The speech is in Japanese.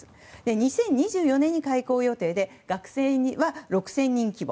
２０２４年に開校予定で学生は６０００人規模